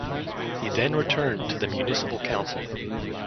He then returned to the municipal council.